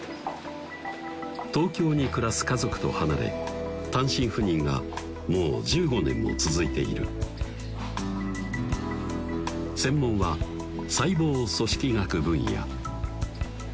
東京に暮らす家族と離れ単身赴任がもう１５年も続いている専門は細胞組織学分野